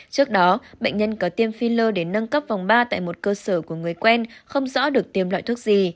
trước đó bệnh nhân có tiêm filler để nâng cấp vòng ba tại một cơ sở của người quen không rõ được tiêm loại thuốc gì